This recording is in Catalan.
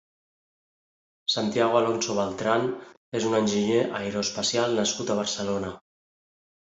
Santiago Alonso Beltrán és un enginyer aeroespacial nascut a Barcelona.